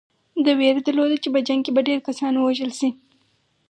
ده وېره درلوده چې په جنګ کې به ډېر کسان ووژل شي.